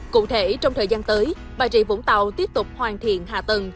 cụ thể trong thời gian tới bà rịa vũng tàu tiếp tục hoàn thiện hạ tầng